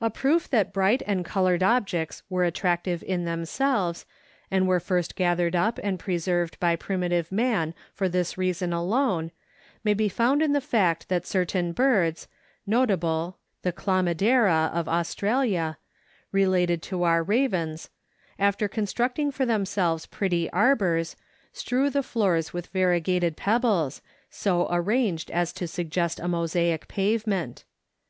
A proof that bright and colored objects were attractive in themselves, and were first gathered up and preserved by primitive man for this reason alone, may be found in the fact that certain birds, notable the Chlamydera of Australia, related to our ravens, after constructing for themselves pretty arbors, strew the floors with variegated pebbles, so arranged as to suggest a mosaic pavement.